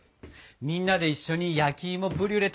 みんなで一緒に焼きいもブリュレ